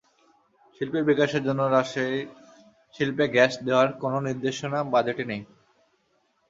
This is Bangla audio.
শিল্পের বিকাশের জন্য রাজশাহীর শিল্পে গ্যাস দেওয়ার কোনো নির্দেশনা বাজেটে নেই।